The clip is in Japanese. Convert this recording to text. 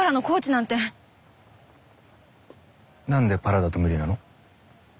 なんでパラだと無理なの？